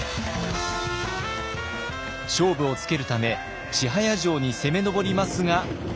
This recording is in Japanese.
勝負をつけるため千早城に攻め上りますが。